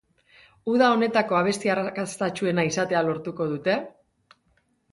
Uda honetako abesti arrakastatsuena izatea lortuko dute?